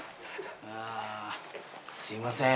すいません。